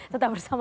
tetap bersama saya